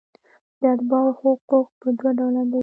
د اتباعو حقوق په دوه ډوله دي.